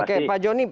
oke pak jonny